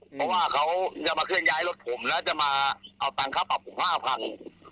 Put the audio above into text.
เพราะว่าเขาจะมาเคลื่อนย้ายรถผมแล้วจะมาเอาตังค่าปรับผมห้าพัน